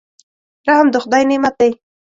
رحم د خدای نعمت دی.